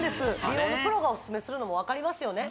美容のプロがオススメするのも分かりますよね